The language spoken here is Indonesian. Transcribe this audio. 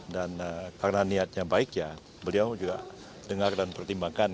karena niatnya baik ya beliau juga dengar dan pertimbangkan